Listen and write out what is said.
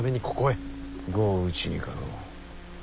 碁を打ちにかの。